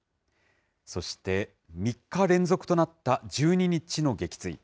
そして３日連続となった１２日の撃墜。